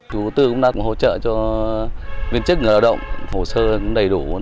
chủ tư cũng đã hỗ trợ cho viên chức người lao động hồ sơ đầy đủ